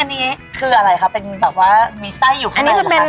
อันนี้คืออะไรคะเป็นแบบว่ามีไส้อยู่ข้างในหรือเปล่าคะ